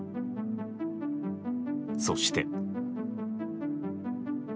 そして。